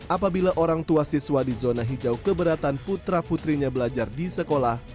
apabila orang tua siswa di zona hijau keberatan putra putrinya belajar di sekolah